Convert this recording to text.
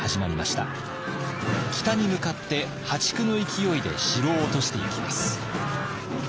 北に向かって破竹の勢いで城を落としていきます。